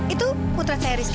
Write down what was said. itu putra saya rizky